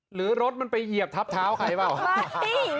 หรือรถมันไปเหยียบทับเท้าใครเปล่า